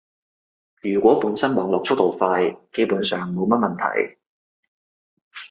如果本身網絡速度快，基本上冇乜問題